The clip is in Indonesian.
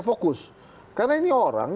fokus karena ini orang